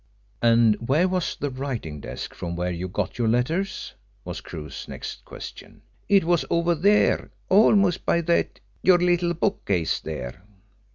"And where was the writing desk from where you got your letters?" was Crewe's next question. "It was over there almost by that your little bookcase there."